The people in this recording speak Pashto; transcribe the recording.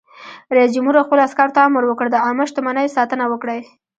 رئیس جمهور خپلو عسکرو ته امر وکړ؛ د عامه شتمنیو ساتنه وکړئ!